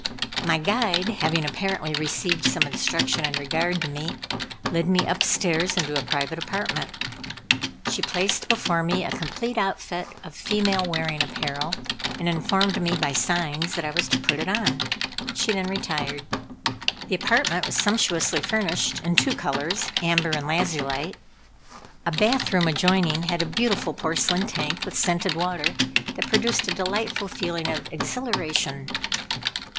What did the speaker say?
My guide, having apparently received some instruction in regard to me, led me upstairs into a private apartment. She placed before me a complete outfit of female wearing apparel, and informed me by signs that I was to put it on. She then retired. The apartment was sumptuously furnished in two colors amber and lazulite. A bath room adjoining had a beautiful porcelain tank with scented water, that produced a delightful feeling of exhilaration.